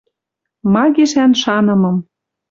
Ма гишӓн шанымым